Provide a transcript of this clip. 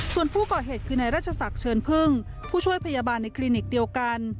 ส่วนผู้ก่อเหตุคือนายราชศักดิ์เชิญพึ่งผู้ช่วยพยาบาลในคลินิกเดียวกัน